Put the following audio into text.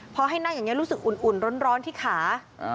พอให้นั่งอย่างนี้รู้สึกอุ่นร้อนที่ขา